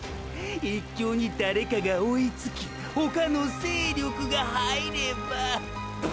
“一強”に誰かが追いつき他の勢力が入ればァプププ。